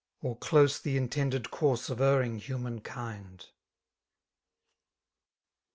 Or close the intended course of erring human kind.